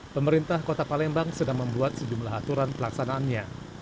pemerintah kota palembang sedang membuat sejumlah aturan pelaksanaannya